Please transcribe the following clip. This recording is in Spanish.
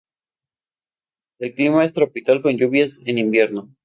El clima es tropical con lluvias en invierno.